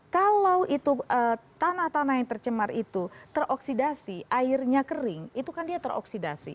kalau itu tanah tanah yang tercemar itu teroksidasi airnya kering itu kan dia teroksidasi